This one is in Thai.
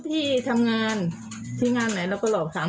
ที่ทำงานที่งานไหนเราก็หลอกถาม